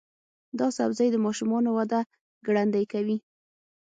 دا سبزی د ماشومانو وده ګړندۍ کوي.